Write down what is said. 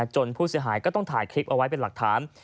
ผู้เสียหายก็ต้องถ่ายคลิปเอาไว้เป็นหลักฐาน